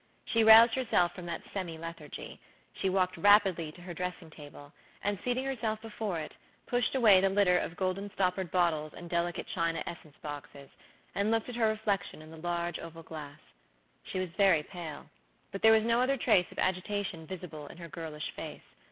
She roused herself from that semi lethargy. She walked rapidly to her dressing table, and, seating herself before it, pushed away the litter of golden stoppered bottles and delicate china essence boxes, and looked at her reflection in the large, oval glass. She was very pale; but there was no other trace of agitation visible in her girlish face.